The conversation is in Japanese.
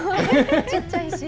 ちっちゃいし。